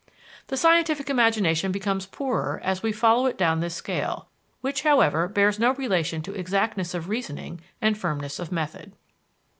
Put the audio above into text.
The scientific imagination becomes poorer as we follow it down this scale, which, however, bears no relation to exactness of reasoning and firmness of method.